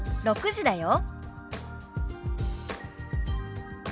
「６時だよ」。